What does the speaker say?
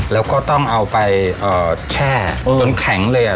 แล้วก็ต้องเอาไปแช่จนแข็งเลย